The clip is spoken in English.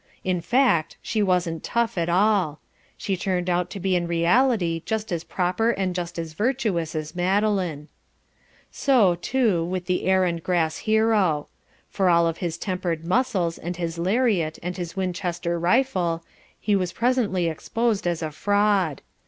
In fact she wasn't tough at all. She turned out to be in reality just as proper and just as virtuous as Madeline. So, too, with the Air and Grass Hero. For all of his tempered muscles and his lariat and his Winchester rifle, he was presently exposed as a fraud.